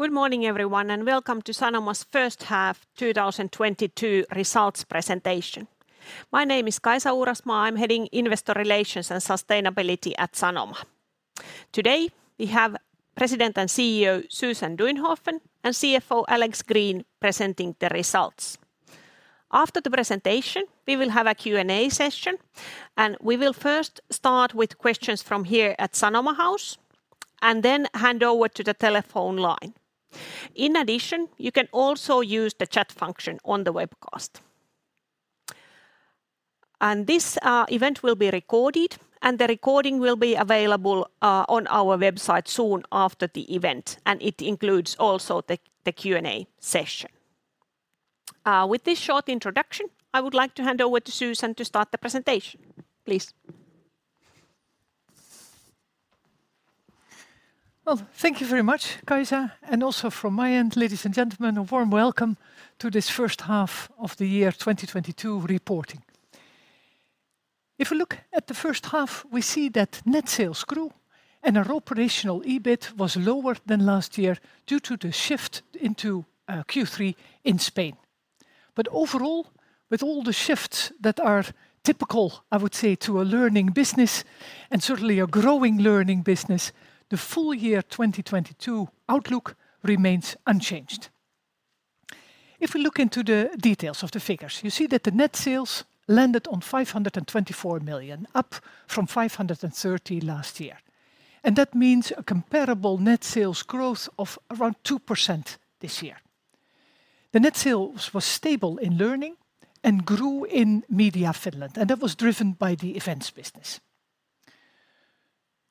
Good morning, everyone, and welcome to Sanoma's first half 2022 results presentation. My name is Kaisa Uurasmaa. I'm heading Investor Relations and Sustainability at Sanoma. Today, we have President and CEO Susan Duinhoven and CFO Alex Green presenting the results. After the presentation, we will have a Q&A session, and we will first start with questions from here at Sanoma House and then hand over to the telephone line. In addition, you can also use the chat function on the webcast. This event will be recorded, and the recording will be available on our website soon after the event, and it includes also the Q&A session. With this short introduction, I would like to hand over to Susan to start the presentation. Please. Well, thank you very much, Kaisa, and also from my end, ladies and gentlemen, a warm welcome to this first half of the year 2022 reporting. If we look at the first half, we see that net sales grew and our operational EBIT was lower than last year due to the shift into Q3 in Spain. Overall, with all the shifts that are typical, I would say, to a learning business, and certainly a growing learning business, the full year 2022 outlook remains unchanged. If we look into the details of the figures, you see that the net sales landed on 524 million, up from 530 million last year. That means a comparable net sales growth of around 2% this year. The net sales was stable in Learning and grew in Media Finland, and that was driven by the events business.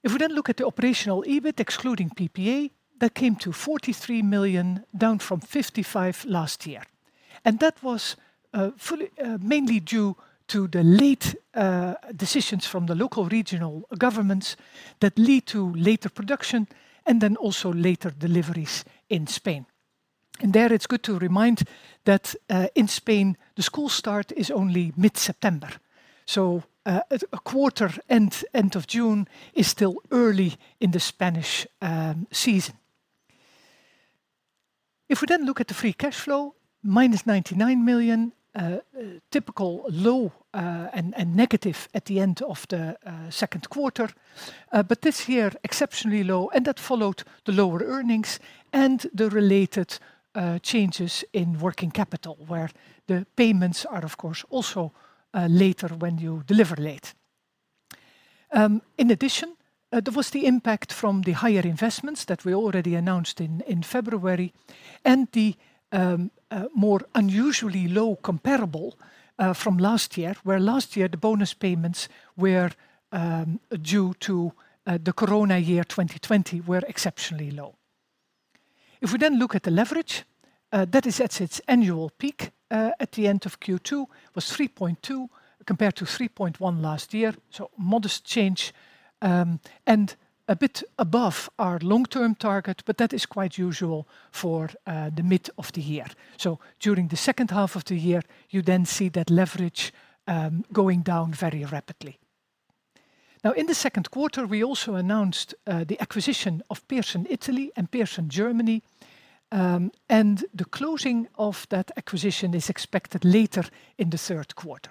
If we then look at the operational EBIT excluding PPA, that came to 43 million, down from 55 million last year. That was mainly due to the late decisions from the local regional governments that lead to later production and then also later deliveries in Spain. There, it's good to remind that in Spain, the school start is only mid-September. At a quarter end of June is still early in the Spanish season. If we then look at the free cash flow, minus 99 million, typical low and negative at the end of the Q2. This year, exceptionally low, and that followed the lower earnings and the related changes in working capital, where the payments are, of course, also later when you deliver late. In addition, there was the impact from the higher investments that we already announced in February and the more unusually low comparable from last year, where last year the bonus payments were due to the Corona year 2020 were exceptionally low. If we then look at the leverage, that is at its annual peak at the end of Q2, was 3.2 compared to 3.1 last year. Modest change, and a bit above our long-term target, but that is quite usual for the mid of the year. During the second half of the year, you then see that leverage going down very rapidly. Now, in the Q2, we also announced the acquisition of Pearson Italy and Pearson Germany, and the closing of that acquisition is expected later in the Q3.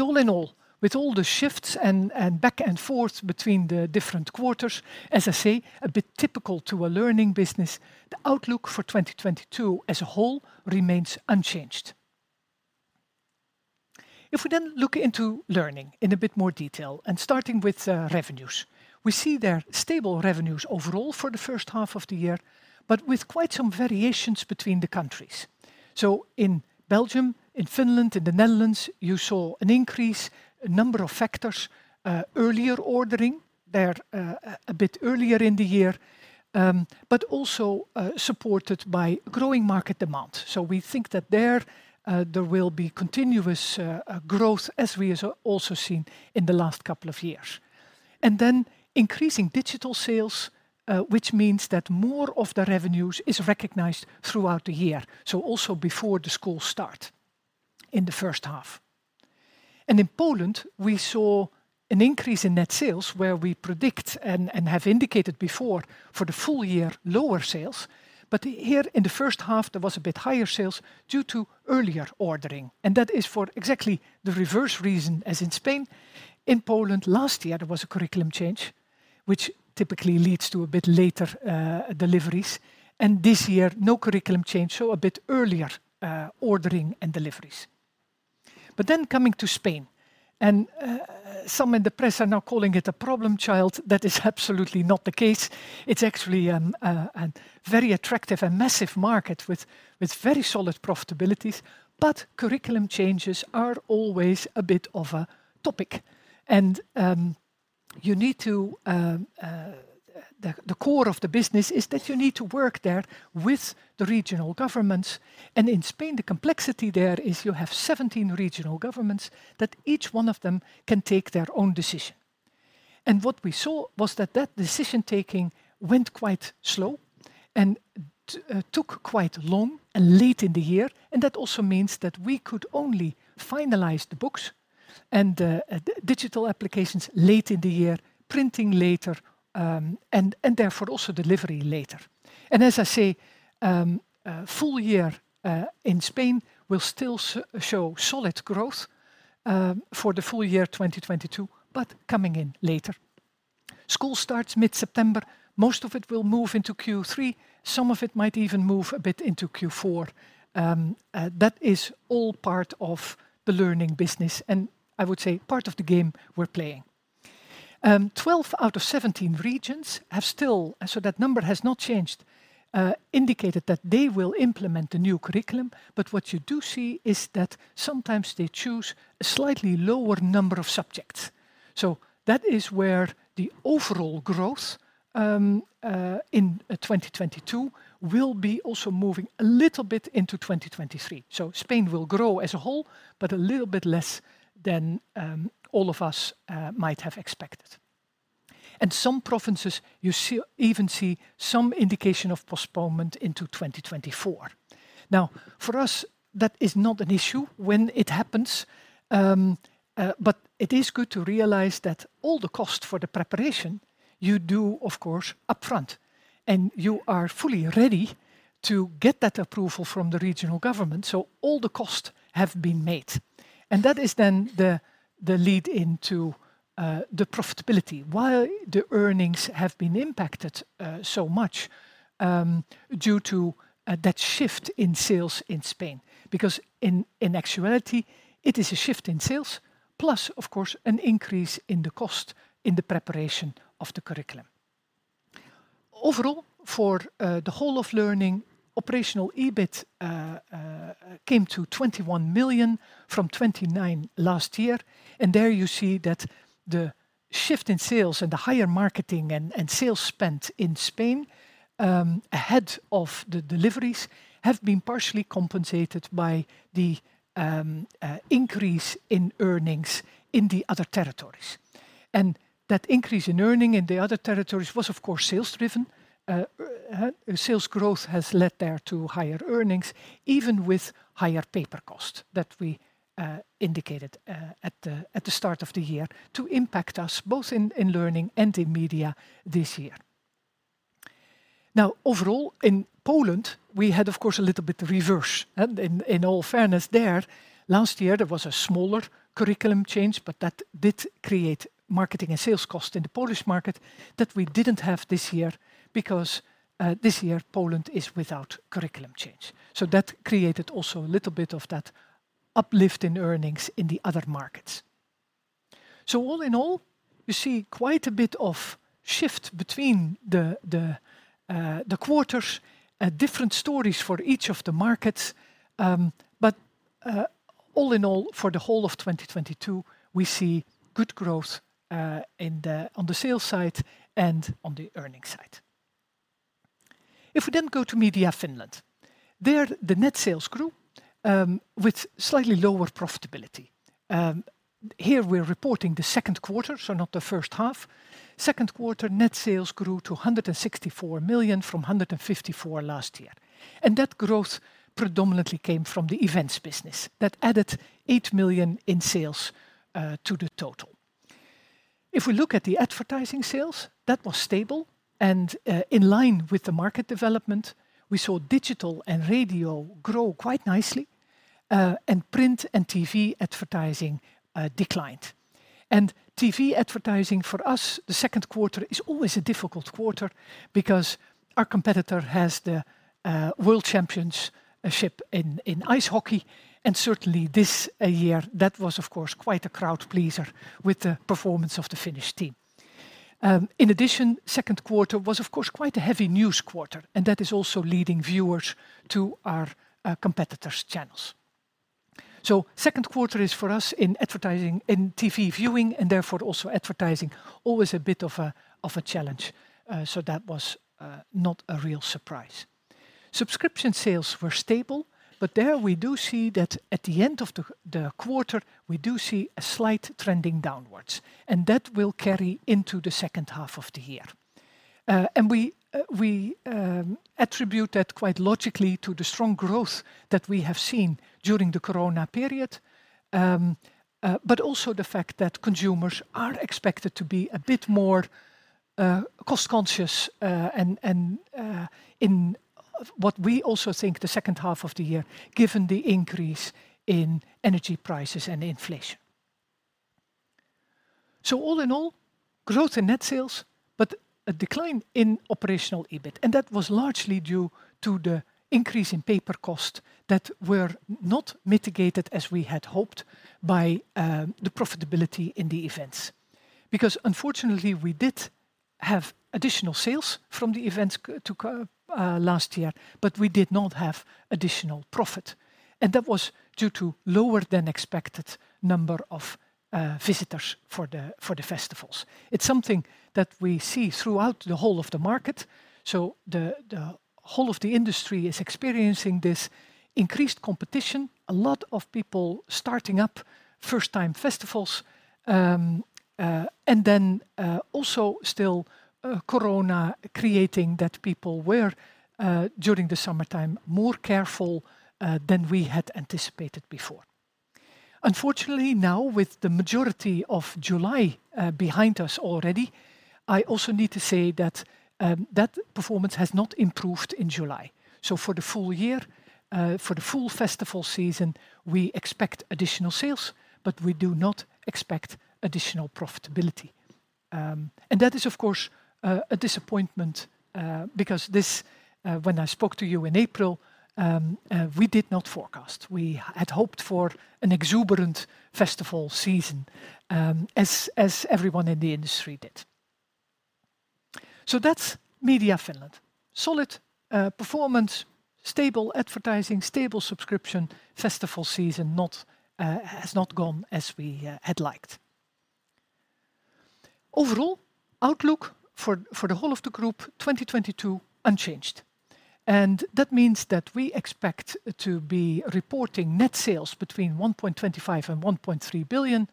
All in all, with all the shifts and back and forth between the different quarters, as I say, a bit typical to a learning business, the outlook for 2022 as a whole remains unchanged. If we then look into Learning in a bit more detail and starting with revenues, we see there stable revenues overall for the first half of the year, but with quite some variations between the countries. In Belgium, in Finland, in the Netherlands, you saw an increase, a number of factors, earlier ordering there, a bit earlier in the year, but also supported by growing market demand. We think that there will be continuous growth as we have also seen in the last couple of years. Increasing digital sales, which means that more of the revenues is recognized throughout the year, so also before the school start in the first half. In Poland, we saw an increase in net sales where we predict and have indicated before for the full year lower sales. Here in the first half, there was a bit higher sales due to earlier ordering. That is for exactly the reverse reason as in Spain. In Poland last year, there was a curriculum change, which typically leads to a bit later deliveries. This year, no curriculum change, so a bit earlier ordering and deliveries. Coming to Spain, some in the press are now calling it a problem child. That is absolutely not the case. It's actually a very attractive and massive market with very solid profitabilities. Curriculum changes are always a bit of a topic. The core of the business is that you need to work there with the regional governments. In Spain, the complexity there is you have 17 regional governments that each one of them can take their own decision. What we saw was that decision-taking went quite slow and took quite long and late in the year. That also means that we could only finalize the books and the digital applications late in the year, printing later, and therefore also delivery later. As I say, full year in Spain will still show solid growth for the full year 2022, but coming in later. School starts mid-September. Most of it will move into Q3. Some of it might even move a bit into Q4, that is all part of the Learning business, and I would say part of the game we're playing. 12 out of 17 regions have still, so that number has not changed, indicated that they will implement the new curriculum. What you do see is that sometimes they choose a slightly lower number of subjects. That is where the overall growth in 2022 will be also moving a little bit into 2023. Spain will grow as a whole, but a little bit less than all of us might have expected. Some provinces you see even see some indication of postponement into 2024. Now, for us, that is not an issue when it happens, but it is good to realize that all the cost for the preparation you do, of course, upfront, and you are fully ready to get that approval from the regional government, so all the costs have been made. That is then the lead into the profitability, while the earnings have been impacted so much due to that shift in sales in Spain. Because in actuality, it is a shift in sales, plus of course, an increase in the cost in the preparation of the curriculum. Overall, for the whole of Learning, operational EBIT came to 21 million from 29 million last year. There you see that the shift in sales and the higher marketing and sales spend in Spain, ahead of the deliveries, have been partially compensated by the increase in earnings in the other territories. That increase in earnings in the other territories was of course, sales driven. Sales growth has led there to higher earnings, even with higher paper costs that we indicated at the start of the year to impact us both in Learning and in Media this year. Now, overall, in Poland, we had of course a little bit reverse. In all fairness there, last year there was a smaller curriculum change, but that did create marketing and sales cost in the Polish market that we didn't have this year because this year Poland is without curriculum change. That created also a little bit of that uplift in earnings in the other markets. All in all, you see quite a bit of shift between the quarters, had different stories for each of the markets. All in all, for the whole of 2022, we see good growth on the sales side and on the earnings side. If we then go to Media Finland, there the net sales grew with slightly lower profitability. Here we're reporting the Q2, so not the first half. Q2 net sales grew to 164 million from 154 million last year. That growth predominantly came from the events business that added 8 million in sales to the total. If we look at the advertising sales, that was stable and in line with the market development. We saw digital and radio grow quite nicely and print and TV advertising declined. TV advertising for us, the Q2 is always a difficult quarter because our competitor has the world championship in ice hockey. Certainly, this year, that was of course quite a crowd pleaser with the performance of the Finnish team. In addition, Q2 was of course quite a heavy news quarter, and that is also leading viewers to our competitor's channels. Q2 is for us in advertising, in TV viewing and therefore also advertising, always a bit of a challenge. That was not a real surprise. Subscription sales were stable, but there we do see that at the end of the quarter, we do see a slight trending downward, and that will carry into the second half of the year. We attribute that quite logically to the strong growth that we have seen during the Corona period, but also the fact that consumers are expected to be a bit more cost conscious, and what we also think in the second half of the year, given the increase in energy prices and inflation. All in all, growth in net sales, but a decline in operational EBIT. That was largely due to the increase in paper cost that were not mitigated as we had hoped by the profitability in the events. Because unfortunately, we did have additional sales from the events last year, but we did not have additional profit, and that was due to lower than expected number of visitors for the festivals. It's something that we see throughout the whole of the market. The whole of the industry is experiencing this increased competition. A lot of people starting up first-time festivals, and then also still corona creating that people were during the summertime more careful than we had anticipated before. Unfortunately, now with the majority of July behind us already, I also need to say that that performance has not improved in July. For the full year, for the full festival season, we expect additional sales, but we do not expect additional profitability. That is, of course, a disappointment, because when I spoke to you in April, we did not forecast. We had hoped for an exuberant festival season, as everyone in the industry did. That's Media Finland. Solid performance, stable advertising, stable subscription, festival season has not gone as we had liked. Overall outlook for the whole of the group, 2022, unchanged. That means that we expect to be reporting net sales between 1.25 billion and 1.3 billion,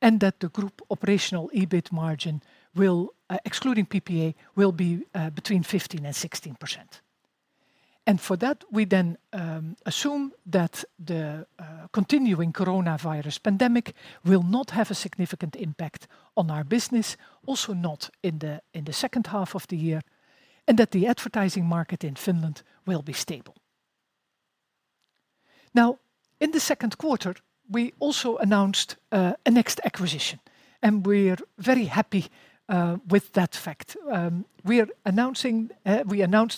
and that the group operational EBIT margin, excluding PPA, will be between 15% and 16%. For that, we then assume that the continuing coronavirus pandemic will not have a significant impact on our business, also not in the second half of the year, and that the advertising market in Finland will be stable. Now, in the Q2, we also announced a next acquisition, and we're very happy with that fact. We announced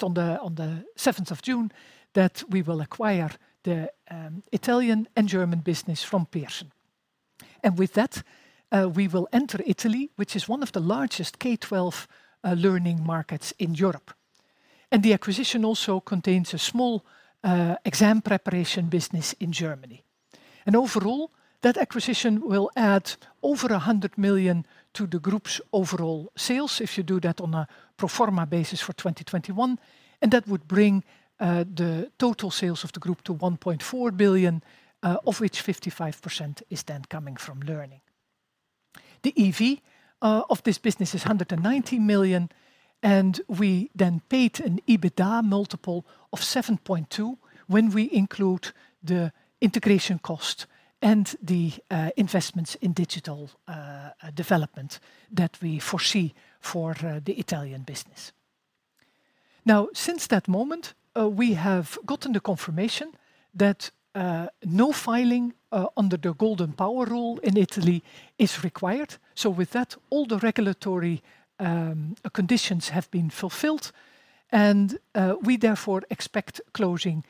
on the seventh of June that we will acquire the Italian and German business from Pearson. With that, we will enter Italy, which is one of the largest K-12 learning markets in Europe. The acquisition also contains a small exam preparation business in Germany. Overall, that acquisition will add over 100 million to the group's overall sales if you do that on a pro forma basis for 2021, and that would bring the total sales of the group to 1.4 billion, of which 55% is then coming from learning. The EV of this business is 190 million, and we then paid an EBITDA multiple of 7.2 when we include the integration cost and the investments in digital development that we foresee for the Italian business. Now, since that moment, we have gotten the confirmation that no filing under the Golden Power rule in Italy is required. With that, all the regulatory conditions have been fulfilled, and we therefore expect closing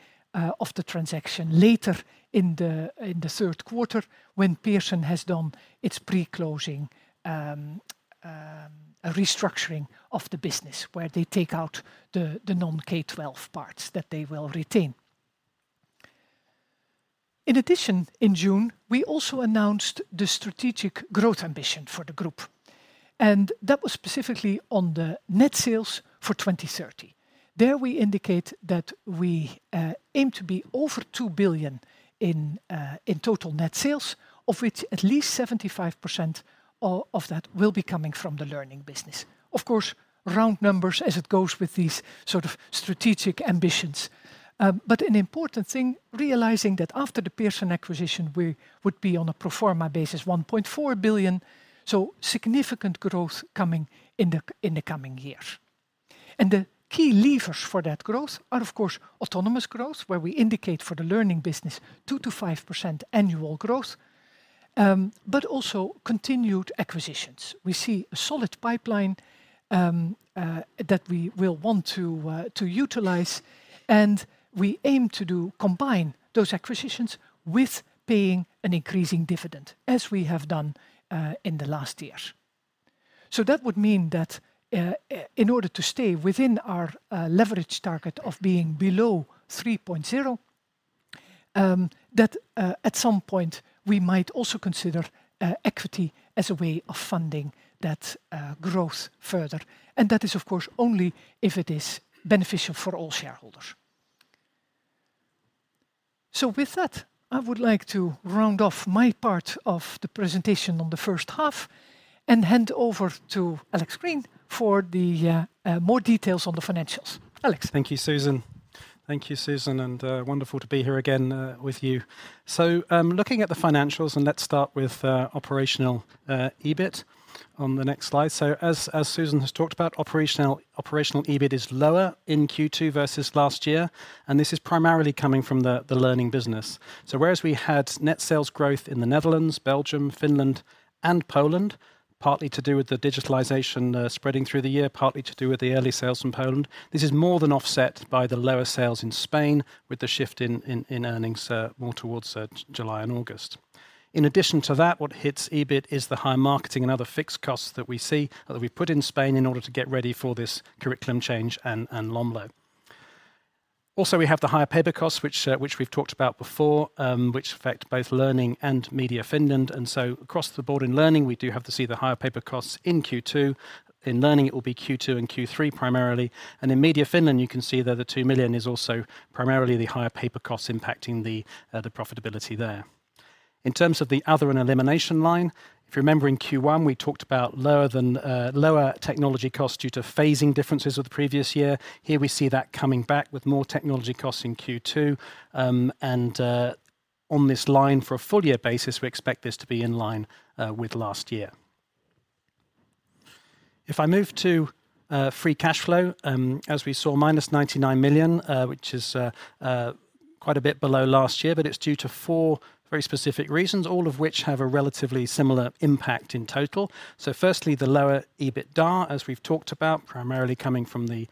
of the transaction later in the Q3, when Pearson has done its pre-closing restructuring of the business, where they take out the non-K-12 parts that they will retain. In addition, in June, we also announced the strategic growth ambition for the group. That was specifically on the net sales for 2030. There we indicate that we aim to be over 2 billion in total net sales, of which at least 75% of that will be coming from the learning business. Of course, round numbers as it goes with these sorts of strategic ambitions. An important thing, realizing that after the Pearson acquisition, we would be on a pro forma basis 1.4 billion, so significant growth coming in the coming years. The key levers for that growth are of course organic growth, where we indicate for the learning business 2 to 5% annual growth, but also continued acquisitions. We see a solid pipeline that we will want to utilize, and we aim to combine those acquisitions with paying an increasing dividend, as we have done in the last years. That would mean that in order to stay within our leverage target of being below 3.0, at some point, we might also consider equity as a way of funding that growth further. That is, of course, only if it is beneficial for all shareholders. With that, I would like to round off my part of the presentation on the first half and hand over to Alex Green for the more details on the financials. Alex. Thank you, Susan. Wonderful to be here again with you. Looking at the financials and let's start with operational EBIT on the next slide. As Susan has talked about, operational EBIT is lower in Q2 versus last year, and this is primarily coming from the learning business. Whereas we had net sales growth in the Netherlands, Belgium, Finland, and Poland, partly to do with the digitalization spreading through the year, partly to do with the early sales from Poland, this is more than offset by the lower sales in Spain with the shift in earnings more towards July and August. In addition to that, what hits EBIT is the high marketing and other fixed costs that we see that we've put in Spain in order to get ready for this curriculum change and LOMLOE. Also, we have the higher paper costs, which we've talked about before, which affect both Learning and Media Finland. Across the board in Learning, we do have to see the higher paper costs in Q2. In Learning, it will be Q2 and Q3 primarily. In Media Finland, you can see that the 2 million is also primarily the higher paper costs impacting the profitability there. In terms of the other and elimination line, if you remember in Q1, we talked about lower technology costs due to phasing differences with the previous year. Here we see that coming back with more technology costs in Q2. On this line for a full-year basis, we expect this to be in line with last year. If I move to free cash flow, as we saw, -99 million, which is quite a bit below last year, but it's due to four very specific reasons, all of which have a relatively similar impact in total. Firstly, the lower EBITDA, as we've talked about, primarily coming from the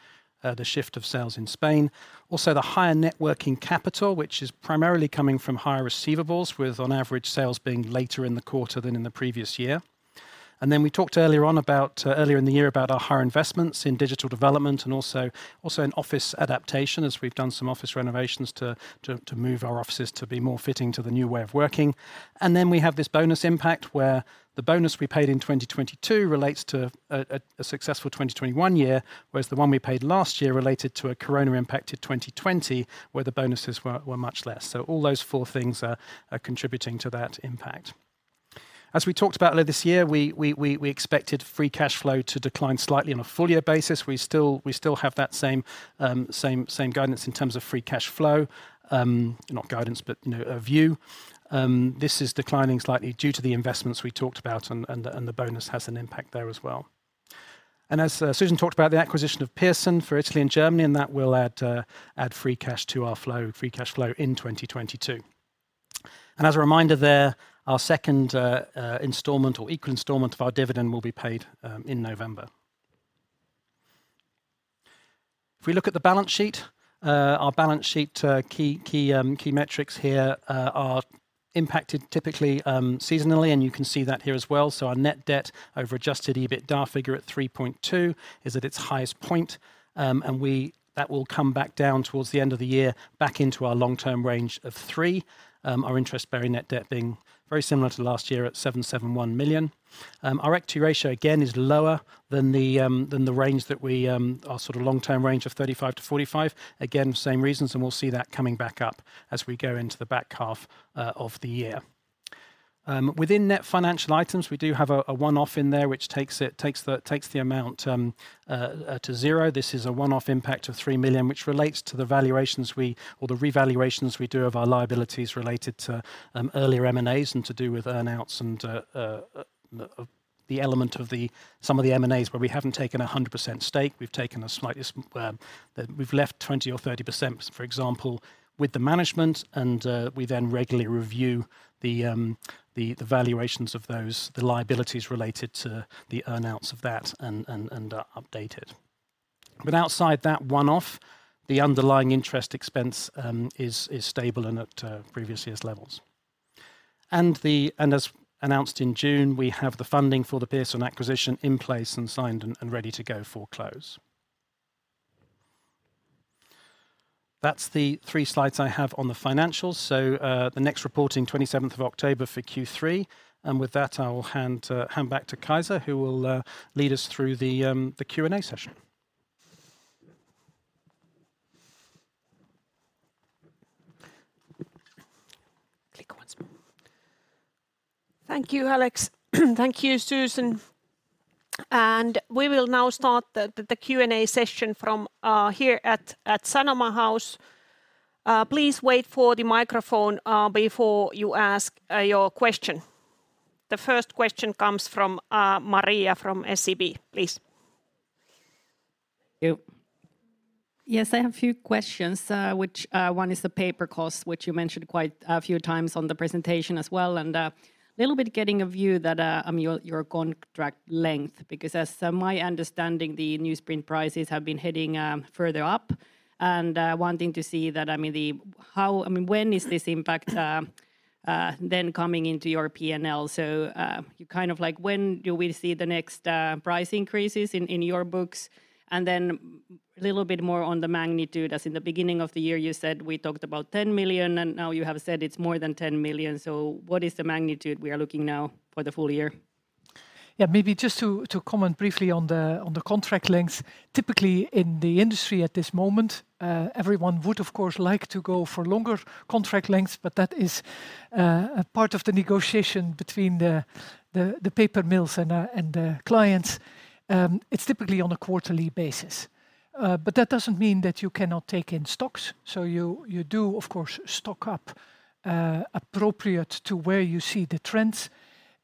shift of sales in Spain. Also, the higher net working capital, which is primarily coming from higher receivables with on average sales being later in the quarter than in the previous year. We talked earlier on about earlier in the year about our higher investments in digital development and also in office adaptation as we've done some office renovations to move our offices to be more fitting to the new way of working. We have this bonus impact where the bonus we paid in 2022 relates to a successful 2021 year, whereas the one we paid last year related to a Corona impacted 2020, where the bonuses were much less. All those four things are contributing to that impact. As we talked about earlier this year, we expected free cash flow to decline slightly on a full year basis. We still have that same guidance in terms of free cash flow. Not guidance, but you know, a view. This is declining slightly due to the investments we talked about, and the bonus has an impact there as well. As Susan talked about the acquisition of Pearson Italy and Pearson Germany, and that will add free cash flow in 2022. As a reminder there, our second installment or equal installment of our dividend will be paid in November. If we look at the balance sheet, our balance sheet key metrics here are impacted typically seasonally, and you can see that here as well. Our net debt over adjusted EBITDA figure at 3.2 is at its highest point. That will come back down towards the end of the year back into our long-term range of 3. Our interest-bearing net debt being very similar to last year at 771 million. Our equity ratio again is lower than the range that we our sort of long-term range of 35 to 45%. Again, same reasons, and we'll see that coming back up as we go into the back half of the year. Within net financial items, we do have a one-off in there which takes the amount to zero. This is a one-off impact of 3 million, which relates to the valuations or the revaluations we do of our liabilities related to earlier M&As and to do with earn-outs and the element of some of the M&As where we haven't taken a 100% stake. We've left 20% or 30%, for example, with the management and we then regularly review the valuations of those liabilities related to the earn-outs of that and update it. But outside that one-off, the underlying interest expense is stable and at previous year's levels. As announced in June, we have the funding for the Pearson acquisition in place and signed and ready to go for close. That's the three slides I have on the financials. The next report on the 27th of October for Q3. With that, I will hand back to Kaisa, who will lead us through the Q&A session. Click once more. Thank you, Alex. Thank you, Susan. We will now start the Q&A session from here at Sanoma House. Please wait for the microphone before you ask your question. The first question comes from Maria from SEB. Please. Thank you. Yes, I have a few questions, which one is the paper costs, which you mentioned quite a few times on the presentation as well, and little bit getting a view that your contract length, because as my understanding, the newsprint prices have been heading further up. Wanting to see that, I mean, when is this impact then coming into your P&L? You kind of like when do we see the next price increases in your books? Then little bit more on the magnitude, as in the beginning of the year you said we talked about 10 million, and now you have said it's more than 10 million. What is the magnitude we are looking now for the full year? Yeah. Maybe just to comment briefly on the contract lengths. Typically in the industry at this moment, everyone would of course like to go for longer contract lengths, but that is a part of the negotiation between the paper mills and the clients. It's typically on a quarterly basis. That doesn't mean that you cannot take in stocks. You do of course stock up appropriate to where you see the trends.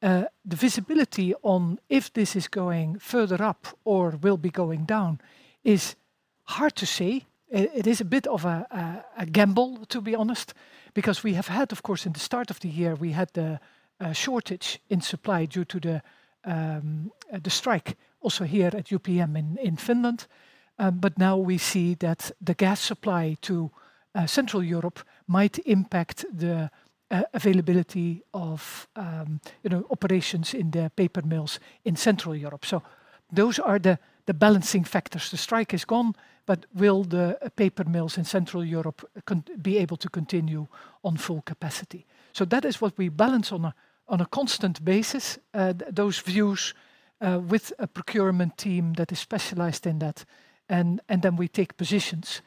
The visibility on if this is going further up or will be going down is hard to say. It is a bit of a gamble, to be honest, because we have had, of course, at the start of the year, we had the shortage in supply due to the strike also here at UPM in Finland. Now we see that the gas supply to Central Europe might impact the availability of, you know, operations in the paper mills in Central Europe. Those are the balancing factors. The strike is gone, but will the paper mills in Central Europe be able to continue on full capacity? That is what we balance on a constant basis. Those views with a procurement team that is specialized in that and then we take positions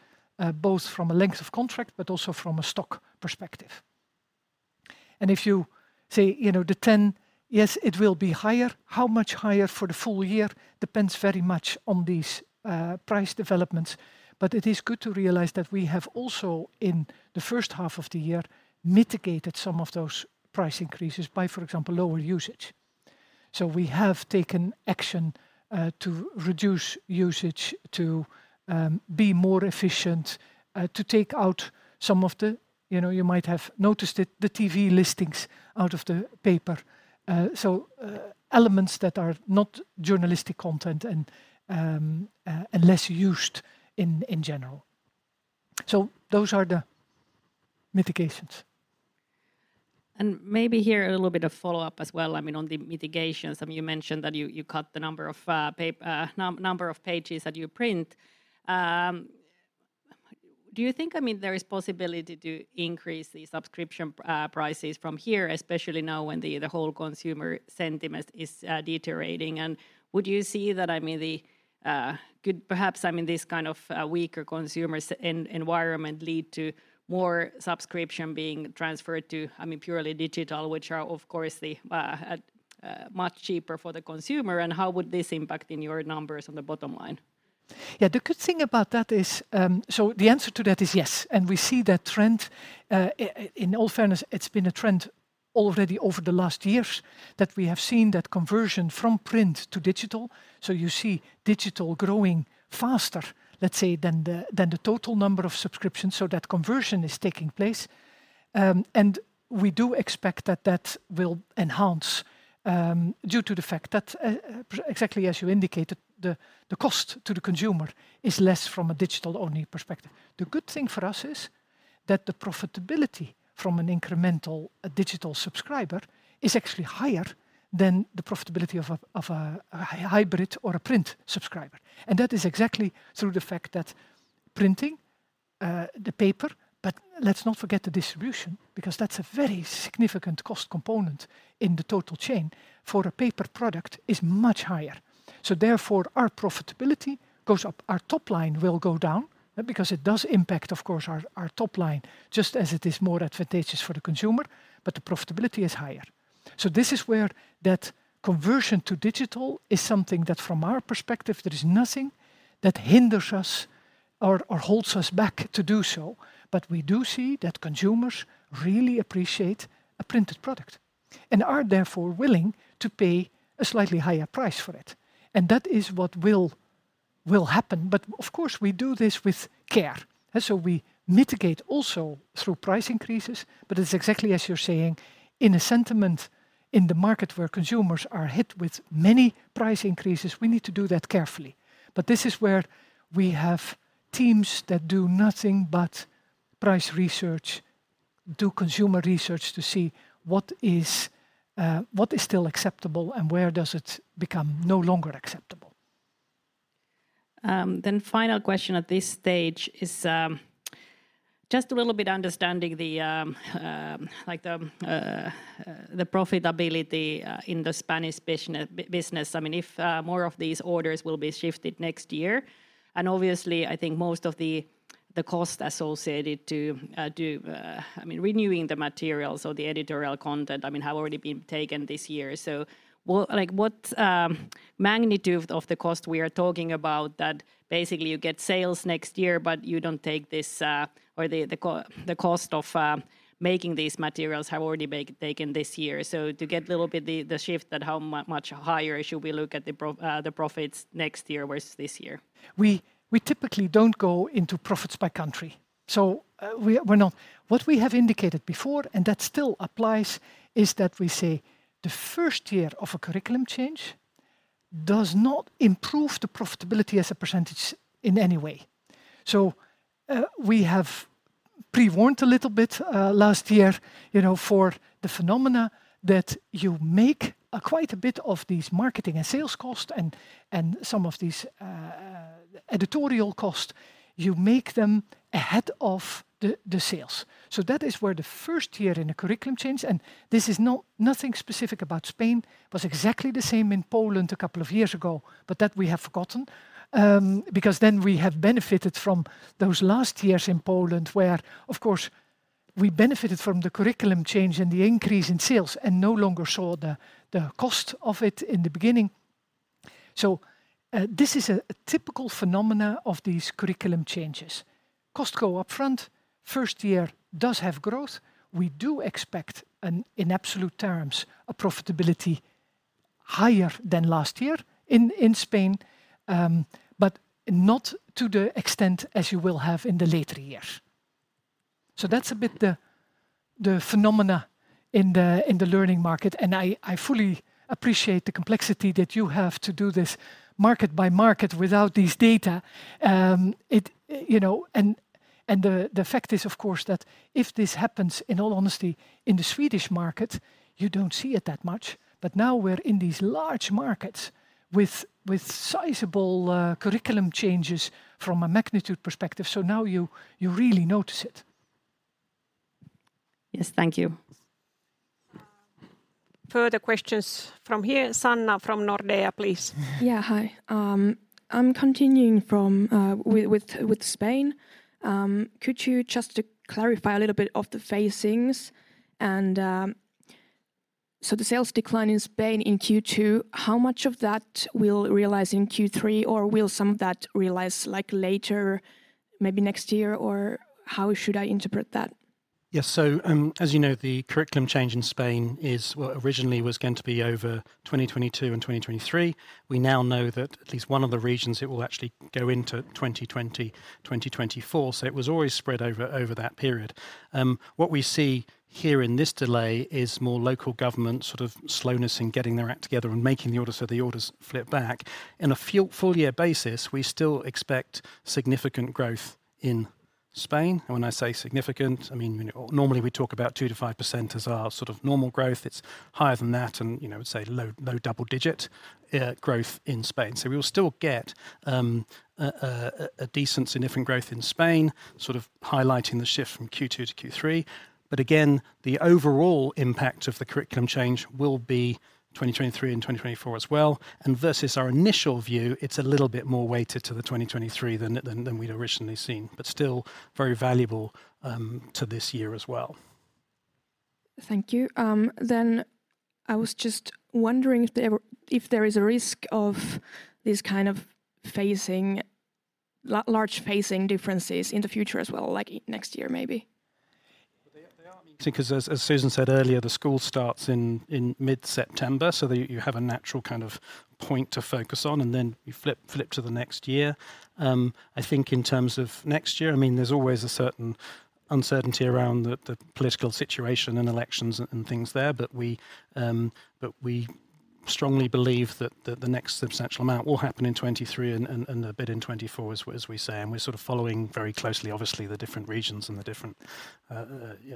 both from a length of contract, but also from a stock perspective. If you say, you know, the 10, yes, it will be higher. How much higher for the full year depends very much on these price developments. It is good to realize that we have also, in the first half of the year, mitigated some of those price increases by, for example, lower usage. We have taken action to reduce usage to be more efficient, to take out some of the. You know, you might have noticed it, the TV listings out of the paper. Elements that are not journalistic content and less used in general. Those are the mitigations. Maybe here a little bit of follow-up as well, I mean, on the mitigations. You mentioned that you cut the number of pages that you print. Do you think, I mean, there is possibility to increase the subscription prices from here, especially now when the whole consumer sentiment is deteriorating? Would you see that, I mean, could perhaps, I mean, this kind of weaker consumer environment lead to more subscription being transferred to, I mean, purely digital, which are of course much cheaper for the consumer, and how would this impact on your numbers on the bottom line? Yeah. The good thing about that is, the answer to that is yes, and we see that trend. In all fairness, it's been a trend already over the last years that we have seen that conversion from print to digital. You see digital growing faster, let's say, than the total number of subscriptions, that conversion is taking place. We do expect that it will enhance due to the fact that exactly as you indicated, the cost to the consumer is less from a digital-only perspective. The good thing for us is that the profitability from an incremental digital subscriber is actually higher than the profitability of a hybrid or a print subscriber. That is exactly through the fact that printing the paper, but let's not forget the distribution because that's a very significant cost component in the total chain, for a paper product is much higher. Therefore, our profitability goes up. Our top line will go down because it does impact, of course, our top line, just as it is more advantageous for the consumer, but the profitability is higher. This is where that conversion to digital is something that from our perspective, there is nothing that hinders us or holds us back to do so. We do see that consumers really appreciate a printed product and are therefore willing to pay a slightly higher price for it. That is what will happen. Of course, we do this with care. We mitigate also through price increases. It's exactly as you're saying, in a sentiment in the market where consumers are hit with many price increases, we need to do that carefully. This is where we have teams that do nothing but price research, do consumer research to see what is, what is still acceptable and where does it become no longer acceptable. Final question at this stage is just a little bit understanding the profitability in the Spanish business. I mean, if more of these orders will be shifted next year, and obviously, I think most of the cost associated to renewing the materials or the editorial content, I mean, have already been taken this year. What, like what magnitude of the cost we are talking about that basically you get sales next year, but you don't take this or the cost of making these materials have already been taken this year. To get little bit the shift that how much higher should we look at the profits next year versus this year? We typically don't go into profits by country. What we have indicated before, and that still applies, is that we say the first year of a curriculum change does not improve the profitability as a percentage in any way. We have pre-warned a little bit last year, you know, for the phenomena that you make quite a bit of these marketing and sales cost and some of these editorial costs, you make them ahead of the sales. That is where the first year in a curriculum change, and this is nothing specific about Spain. It was exactly the same in Poland a couple of years ago. That we have forgotten, because then we have benefited from those last years in Poland, where, of course, we benefited from the curriculum change and the increase in sales and no longer saw the cost of it in the beginning. This is a typical phenomenon of these curriculum changes. Costs go up front. First year does have growth. We do expect in absolute terms a profitability higher than last year in Spain, but not to the extent as you will have in the later years. That's a bit the phenomenon in the learning market, and I fully appreciate the complexity that you have to do this market by market without these data. It, you know. The fact is, of course, that if this happens, in all honesty, in the Swedish market, you don't see it that much. Now we're in these large markets with sizable curriculum changes from a magnitude perspective, so now you really notice it. Yes, thank you. Further questions from here. Sanna from Nordea, please. Yeah, hi. I'm continuing with Spain. Could you just clarify a little bit of the phasing? So, the sales decline in Spain in Q2, how much of that we'll realize in Q3 or will some of that realize, like, later, maybe next year, or how should I interpret that? Yes, as you know, the curriculum change in Spain is, well, originally was going to be over 2022 and 2023. We now know that at least one of the regions, it will actually go into 2020, 2024, so it was always spread over that period. What we see here in this delay is more local government sort of slowness in getting their act together and making the orders, so the orders flip back. In a full year basis, we still expect significant growth in Spain. When I say significant, I mean, you know, normally we talk about 2 to 5% as our sort of normal growth. It's higher than that and, you know, say low double-digit growth in Spain. We will still get a decent significant growth in Spain, sort of highlighting the shift from Q2 to Q3. Again, the overall impact of the curriculum change will be 2023 and 2024 as well. Versus our initial view, it's a little bit more weighted to the 2023 than we'd originally seen, but still very valuable to this year as well. Thank you. I was just wondering if there is a risk of this kind of phasing, large phasing differences in the future as well, like next year, maybe? See, cause as Susan said earlier, the school starts in mid-September, so that you have a natural kind of point to focus on, and then you flip to the next year. I think in terms of next year, I mean, there's always a certain uncertainty around the political situation and elections and things there. We strongly believe that the next substantial amount will happen in 2023 and a bit in 2024, as we say. We're sort of following very closely, obviously, the different regions and the different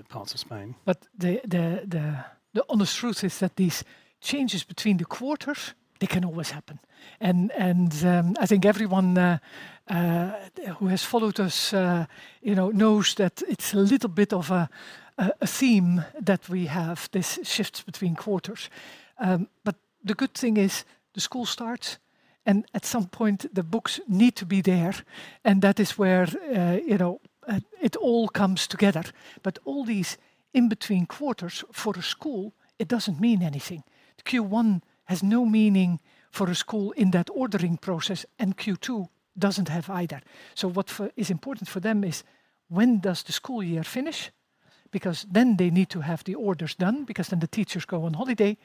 parts of Spain. The honest truth is that these changes between the quarters, they can always happen. I think everyone who has followed us, you know, knows that it's a little bit of a theme that we have, these shifts between quarters. The good thing is the school starts, and at some point, the books need to be there, and that is where, you know, it all comes together. All these in between quarters, for a school, it doesn't mean anything. Q1 has no meaning for a school in that ordering process, and Q2 doesn't have either. What is important for them is when does the school year finish, because then they need to have the orders done, because then the teachers go on holiday, and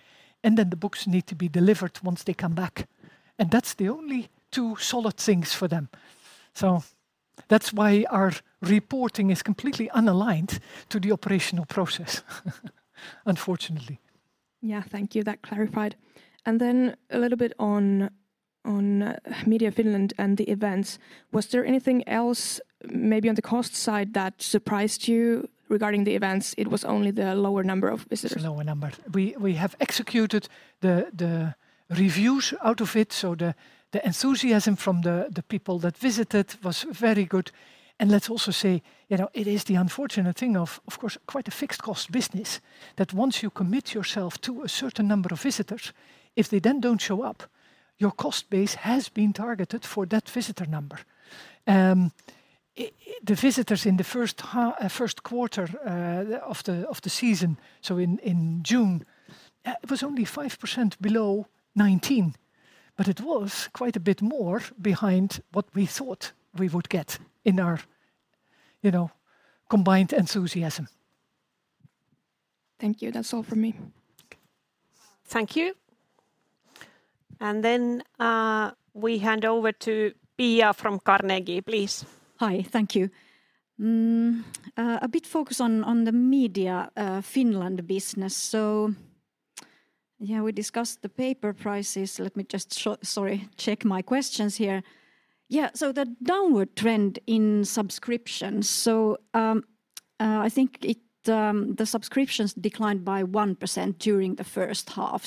then the books need to be delivered once they come back. That's the only two solid things for them. That's why our reporting is completely unaligned to the operational process, unfortunately. Yeah. Thank you. That clarified. A little bit on Media Finland and the events. Was there anything else, maybe on the cost side, that surprised you regarding the events? It was only the lower number of visitors. It's lower number. We have executed the reviews out of it, so the enthusiasm from the people that visited was very good. Let's also say, you know, it is the unfortunate thing of course, quite a fixed cost business, that once you commit yourself to a certain number of visitors, if they then don't show up, your cost base has been targeted for that visitor number. The visitors in the first quarter of the season, so in June, it was only 5% below 2019. It was quite a bit more behind what we thought we would get in our, you know, combined enthusiasm. Thank you. That's all for me. Okay. Thank you. We hand over to Piia from Carnegie, please. Hi. Thank you. A big focus on the Media Finland business. We discussed the paper prices. Let me just check my questions here. The downward trend in subscriptions. I think the subscriptions declined by 1% during the first half.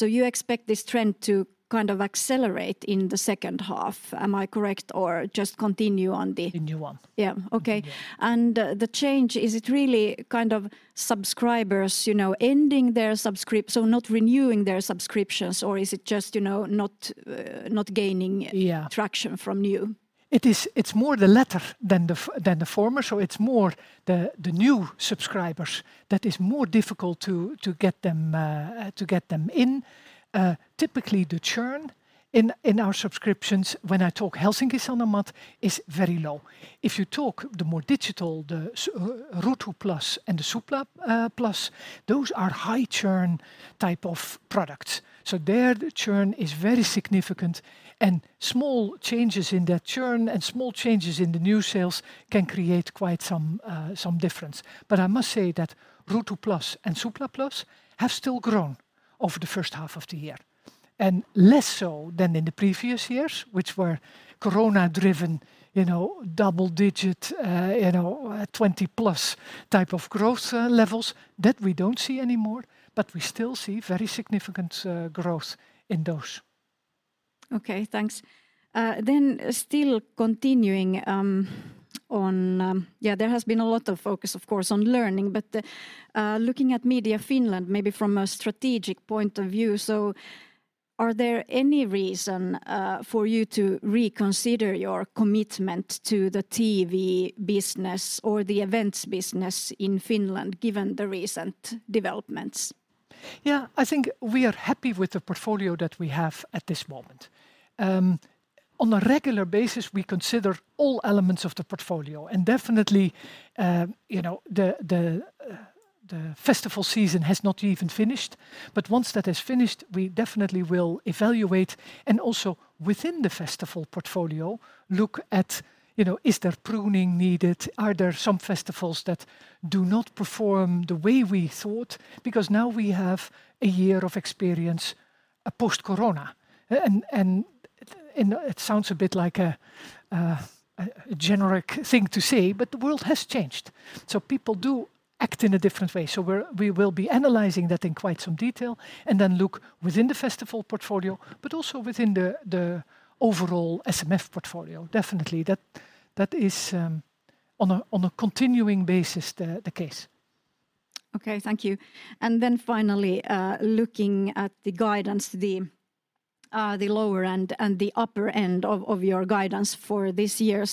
You expect this trend to kind of accelerate in the second half. Am I correct? Or just continue on the- Continue on. Yeah. Okay. Yeah. The change, is it really kind of subscribers, you know, ending their subscriptions, so not renewing their subscriptions? Or is it just, you know, not gaining- Yeah Traction from new? It is, it's more the latter than the former, so it's more the new subscribers that is more difficult to get them in. Typically, the churn in our subscriptions, when I talk Helsingin Sanomat, is very low. If you talk the more digital, the Ruutu+ and the Supla+, those are high churn type of products, so there the churn is very significant. Small changes in that churn and small changes in the new sales can create quite some difference. I must say that Ruutu+ and Supla+ have still grown. Over the first half of the year, and less so than in the previous years which were corona-driven, you know, double-digit, you know, 20+ type of growth levels. That we don't see anymore, but we still see very significant growth in those. Okay, thanks. Still continuing on, there has been a lot of focus, of course, on learning, but looking at Media Finland maybe from a strategic point of view, so are there any reason for you to reconsider your commitment to the TV business or the events business in Finland given the recent developments? Yeah, I think we are happy with the portfolio that we have at this moment. On a regular basis, we consider all elements of the portfolio, and definitely, you know, the festival season has not even finished, but once that has finished, we definitely will evaluate and also within the festival portfolio look at, you know, is there pruning needed? Are there some festivals that do not perform the way we thought? Because now we have a year of experience post-corona. It sounds a bit like a generic thing to say, but the world has changed, so people do act in a different way. We will be analyzing that in quite some detail and then look within the festival portfolio but also within the overall SMF portfolio. Definitely, that is on a continuing basis the case. Okay, thank you. Finally, looking at the guidance, the lower end and the upper end of your guidance for this year.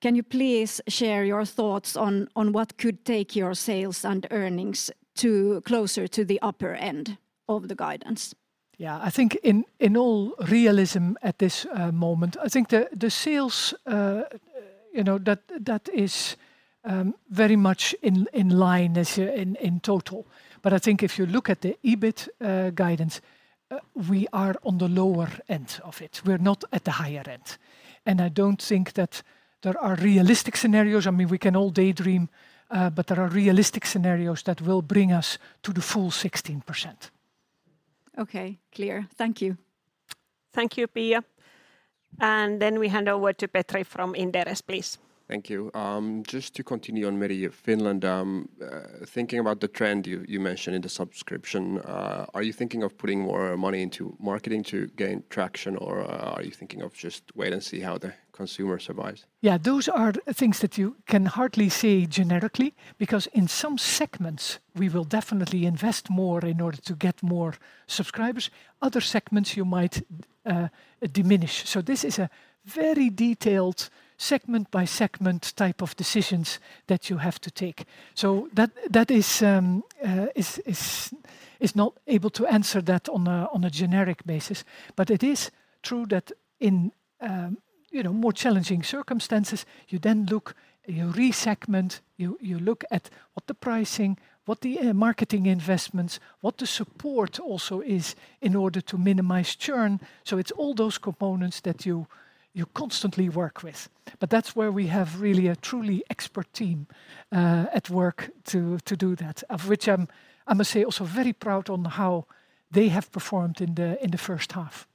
Can you please share your thoughts on what could take your sales and earnings to closer to the upper end of the guidance? Yeah. I think in all realism at this moment, I think the sales, you know, that is very much in line this year in total. I think if you look at the EBIT guidance, we are on the lower end of it. We're not at the higher end, and I don't think that there are realistic scenarios. I mean, we can all daydream, but there are realistic scenarios that will bring us to the full 16%. Okay. Clear. Thank you. Thank you, Piia. We hand over to Petri from Inderes, please. Thank you. Just to continue on Sanoma Media Finland, thinking about the trend you mentioned in the subscription, are you thinking of putting more money into marketing to gain traction, or are you thinking of just wait and see how the consumer survives? Yeah. Those are things that you can hardly say generically because in some segments we will definitely invest more in order to get more subscribers. Other segments, you might diminish. This is a very detailed segment-by-segment type of decisions that you have to take. That is not able to answer that on a generic basis. It is true that in you know, more challenging circumstances, you then look, you re-segment, you look at what the pricing, what the marketing investments, what the support also is in order to minimize churn. It's all those components that you constantly work with. That's where we have really a truly expert team at work to do that, of which I'm, I must say, also very proud of how they have performed in the first half.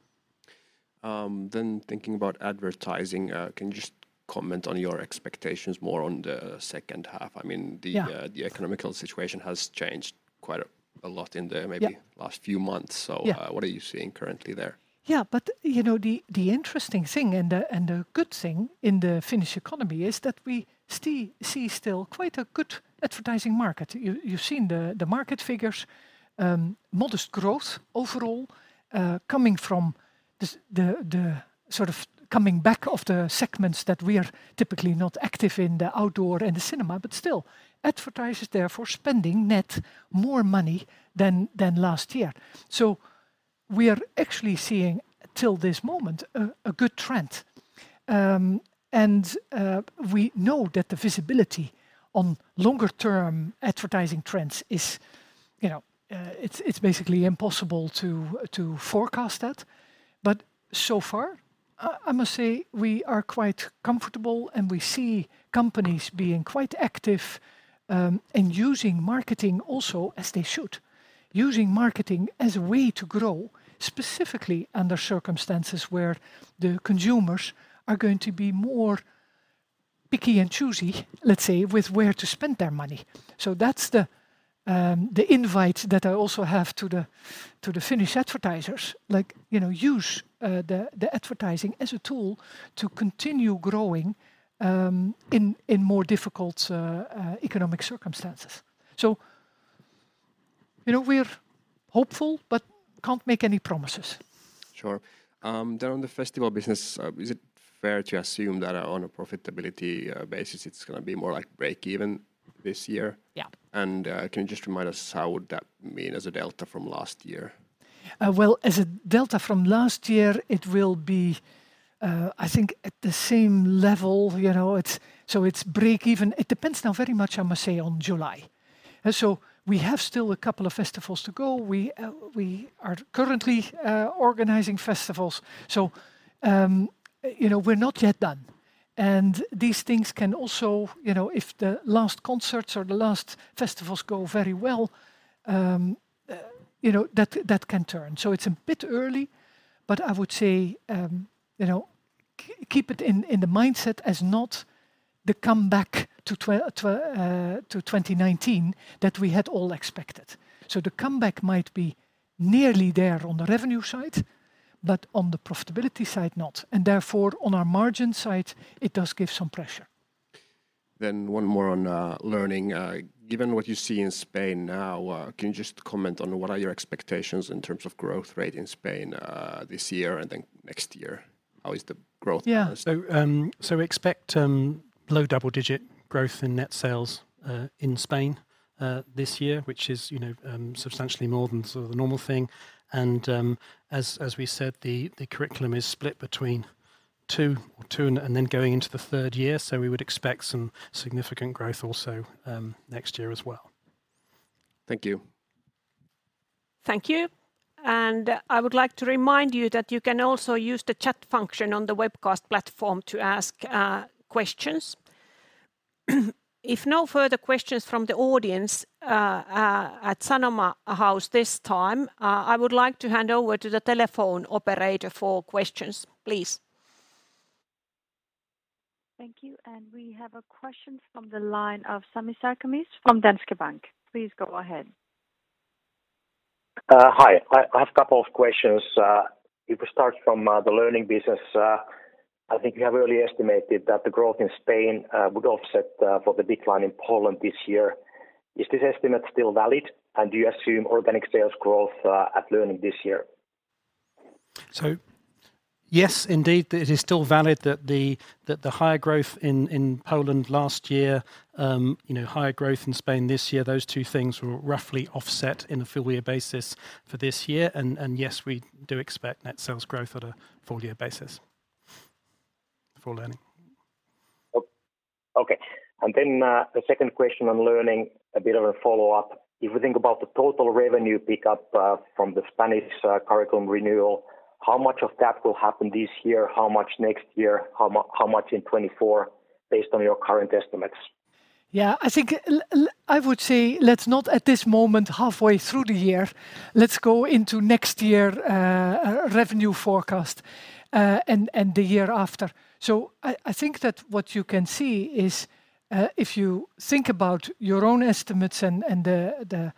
Thinking about advertising, can you just comment on your expectations more on the second half? I mean, the Yeah The economic situation has changed quite a lot. Yeah last few months. Yeah. What are you seeing currently there? Yeah. You know, the interesting thing and the good thing in the Finnish economy is that we see still quite a good advertising market. You've seen the market figures, modest growth overall, coming from the sort of coming back of the segments that we are typically not active in, the outdoor and the cinema. Still, advertisers therefore spending net more money than last year. We are actually seeing, till this moment, a good trend. We know that the visibility on longer term advertising trends is, you know, it's basically impossible to forecast that. So far, I must say we are quite comfortable, and we see companies being quite active, in using marketing also as they should. Using marketing as a way to grow, specifically under circumstances where the consumers are going to be more picky and choosy, let's say, with where to spend their money. That's the invite that I also have to the Finnish advertisers, like, you know, use the advertising as a tool to continue growing in more difficult economic circumstances. You know, we're hopeful but can't make any promises. Sure. On the festival business, is it fair to assume that, on a profitability basis, it's gonna be more like break even this year? Yeah. Can you just remind us how would that mean as a delta from last year? Well, as a delta from last year, it will be, I think, at the same level. You know, it's break even. It depends now very much, I must say, on July. We have still a couple of festivals to go. We are currently organizing festivals, so you know, we're not yet done. These things can also, you know, if the last concerts or the last festivals go very well, you know, that can turn. It's a bit early, but I would say, you know, keep it in the mindset as not the comeback to 2019 that we had all expected. The comeback might be nearly there on the revenue side, but on the profitability side not, and therefore on our margin side it does give some pressure. One more on Learning. Given what you see in Spain now, can you just comment on what are your expectations in terms of growth rate in Spain, this year and then next year? How is the growth prospects? We expect low double-digit growth in net sales in Spain this year, which is, you know, substantially more than sort of the normal thing. As we said, the curriculum is split between two and then going into the third year, we would expect some significant growth also next year as well. Thank you. Thank you. I would like to remind you that you can also use the chat function on the webcast platform to ask questions. If no further questions from the audience at Sanoma House this time, I would like to hand over to the telephone operator for questions, please. Thank you. We have a question from the line of Sami Sarkamies from Danske Bank. Please go ahead. Hi. I have a couple of questions. If we start from the Learning business, I think you have already estimated that the growth in Spain would offset for the decline in Poland this year. Is this estimate still valid? And do you assume organic sales growth at Learning this year? Yes, indeed, it is still valid that the higher growth in Poland last year, you know, higher growth in Spain this year, those two things will roughly offset in a full year basis for this year. Yes, we do expect net sales growth at a full year basis for Learning. Okay. The second question on Learning, a bit of a follow-up. If we think about the total revenue pickup from the Spanish curriculum renewal, how much of that will happen this year? How much next year? How much in 2024 based on your current estimates? Yeah. I think I would say let's not at this moment, halfway through the year, let's go into next year, revenue forecast, and the year after. I think that what you can see is, if you think about your own estimates and the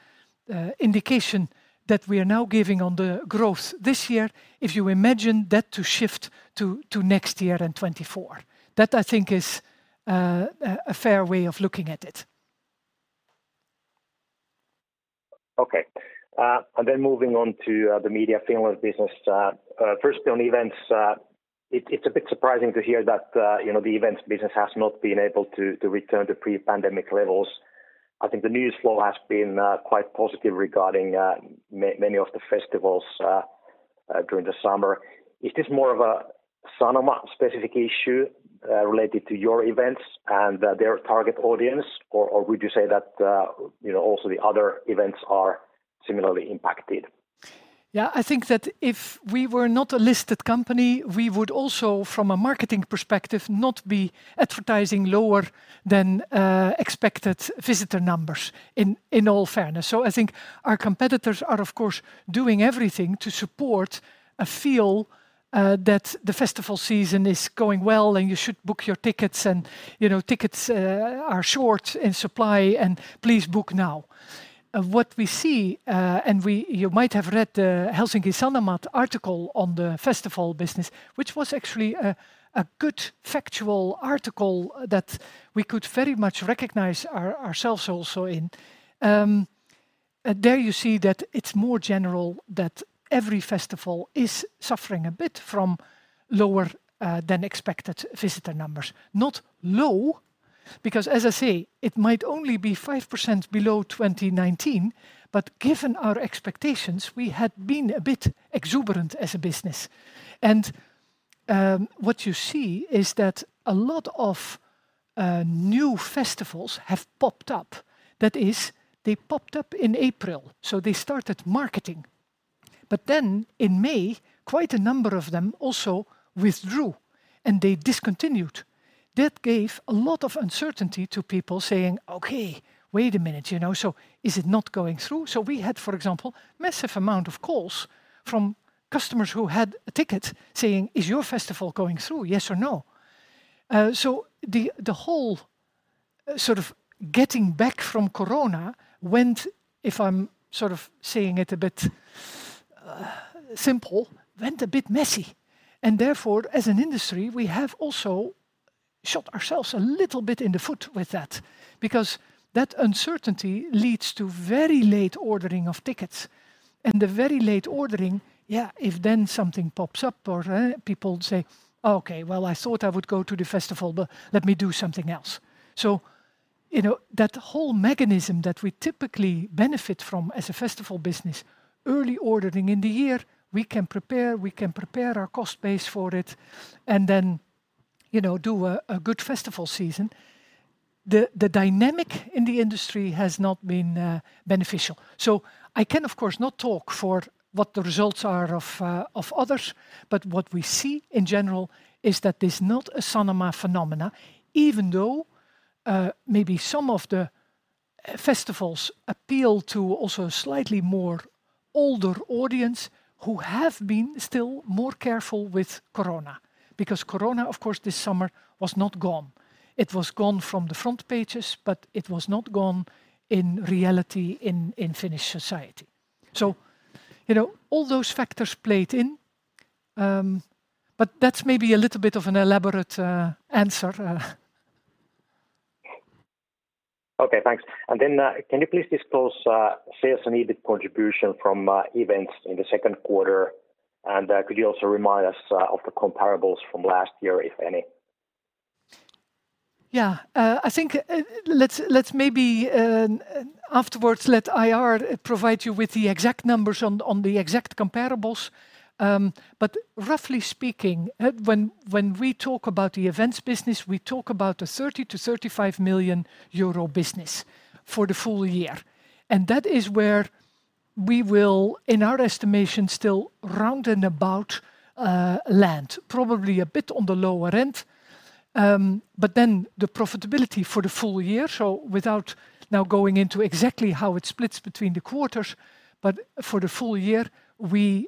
indication that we are now giving on the growth this year, if you imagine that to shift to next year and 2024, that I think is a fair way of looking at it. Okay. Moving on to the Media Finland business. First on events. It's a bit surprising to hear that, you know, the events business has not been able to return to pre-pandemic levels. I think the news flow has been quite positive regarding many of the festivals during the summer. Is this more of a Sanoma specific issue related to your events and their target audience, or would you say that, you know, also the other events are similarly impacted? Yeah, I think that if we were not a listed company, we would also, from a marketing perspective, not be advertising lower than expected visitor numbers in all fairness. I think our competitors are of course doing everything to support a feeling that the festival season is going well, and you should book your tickets and, you know, tickets are short in supply and please book now. What we see, you might have read the Helsingin Sanomat article on the festival business, which was actually a good factual article that we could very much recognize ourselves also in. There you see that it's more general that every festival is suffering a bit from lower-than-expected visitor numbers. Not low, because as I say, it might only be 5% below 2019, but given our expectations, we had been a bit exuberant as a business. What you see is that a lot of new festivals have popped up. That is, they popped up in April, so they started marketing. In May, quite a number of them also withdrew and they discontinued. That gave a lot of uncertainty to people saying, "Okay, wait a minute," you know. "So, is it not going through?" We had, for example, massive amount of calls from customers who had tickets saying, "Is your festival going through, yes or no?" The whole sort of getting back from corona went, if I'm sort of saying it a bit simple, went a bit messy. Therefore, as an industry, we have also shot ourselves a little bit in the foot with that, because that uncertainty leads to very late ordering of tickets. The very late ordering, yeah, if then something pops up or, people say, "Okay, well, I thought I would go to the festival but let me do something else." You know that whole mechanism that we typically benefit from as a festival business, early ordering in the year, we can prepare our cost base for it, and then, you know, do a good festival season. The dynamic in the industry has not been beneficial. I can of course not talk for what the results are of others, but what we see in general is that there's not a Sanoma phenomenon, even though maybe some of the festivals appeal to also a slightly more older audience who have been still more careful with corona. Because corona, of course, this summer was not gone. It was gone from the front pages, but it was not gone in reality in Finnish society. You know, all those factors played in, but that's maybe a little bit of an elaborate answer. Okay, thanks. Can you please disclose sales and EBIT contribution from events in the Q2? Could you also remind us of the comparables from last year, if any? Yeah. I think, let's maybe afterwards let IR provide you with the exact numbers on the exact comparables. Roughly speaking, when we talk about the events business, we talk about a 30 to 35 million business for the full year. That is where we will, in our estimation, still round and about, land, probably a bit on the lower end. The profitability for the full year, so without now going into exactly how it splits between the quarters, but for the full year we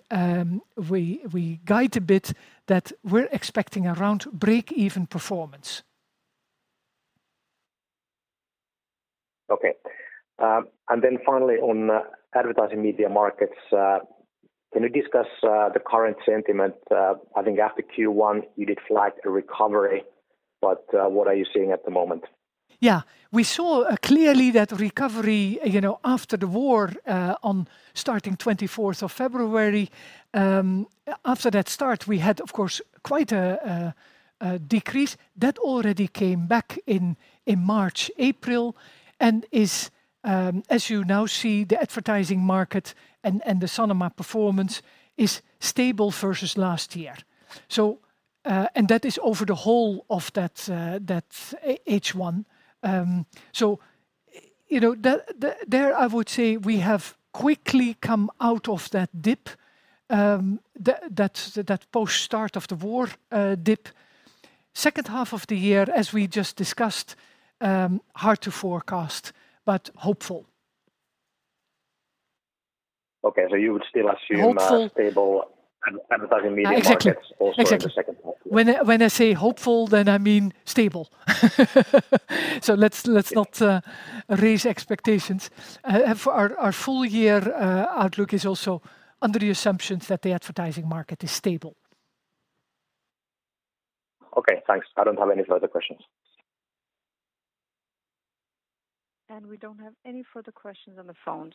guide a bit that we're expecting around breakeven performance. Okay. Finally on advertising media markets, can you discuss the current sentiment? I think after Q1 you did flag a recovery, but what are you seeing at the moment? Yeah. We saw clearly that recovery, you know, after the war, on starting 24th of February. After that start, we had, of course, quite a decrease. That already came back in March, April, and is, as you now see, the advertising market and the Sanoma performance is stable versus last year. That is over the whole of that H1. You know, there I would say we have quickly come out of that dip, that post-start of the war dip. Second half of the year, as we just discussed, hard to forecast, but hopeful. Okay. You would still assume. Hopeful- stable advertising media markets. Exactly. also, in the second half of the year. When I say hopeful, then I mean stable. Let's not raise expectations. For our full-year outlook is also under the assumptions that the advertising market is stable. Okay, thanks. I don't have any further questions. We don't have any further questions on the phones.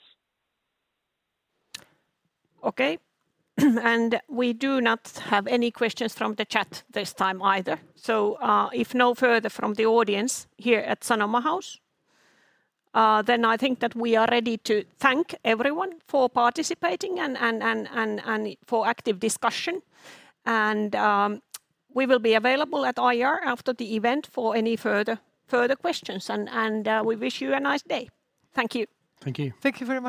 Okay. We do not have any questions from the chat this time either. If no further from the audience here at Sanoma House, then I think that we are ready to thank everyone for participating and for active discussion. We will be available at IR after the event for any further questions. We wish you a nice day. Thank you. Thank you. Thank you very much.